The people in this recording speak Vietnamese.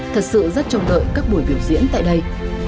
thật sự rất chồng đợi các buổi biểu diễn tại đây